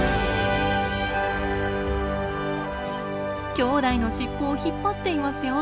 きょうだいの尻尾を引っ張っていますよ。